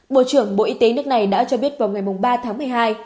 bộ trưởng bộ y tế nước này đã cho biết vào ngày ba tháng một mươi hai